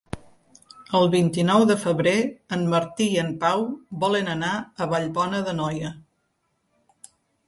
El vint-i-nou de febrer en Martí i en Pau volen anar a Vallbona d'Anoia.